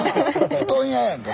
布団屋やんか。